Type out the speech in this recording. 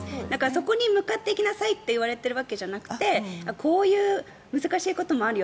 そこに向かっていきなさいと言われているわけじゃなくてこういう難しいこともあるよ